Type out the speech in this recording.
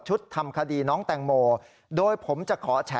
เพราะว่ามีทีมนี้ก็ตีความกันไปเยอะเลยนะครับ